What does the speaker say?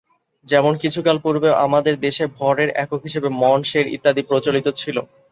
যেমন: কিছুকাল পূর্বেও আমাদের দেশে ভরের একক হিসেবে মণ, সের ইত্যাদি প্রচলিত ছিল।